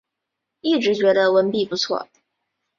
一直觉得文笔不错